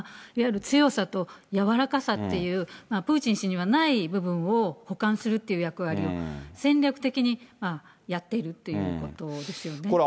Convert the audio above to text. いわゆる強さと柔らかさっていう、プーチン氏にはない部分を補完するという役割を、戦略的にやっているということですよね。